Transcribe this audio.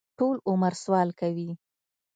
ټول عمر سوال کوي.